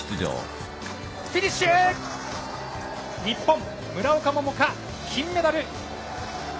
日本、村岡桃佳、金メダル。